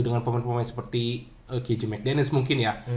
dengan pemain pemain seperti gage mcdaniels mungkin ya